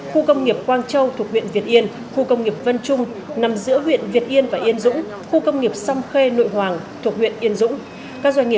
khu công nghiệp quang châu thuộc huyện việt yên khu công nghiệp vân trung nằm giữa huyện việt yên và yên dũng khu công nghiệp xăm khê nội hoàng thuộc huyện yên dũng